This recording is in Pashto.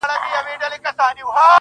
• زما د زړه په هغه شين اسمان كي.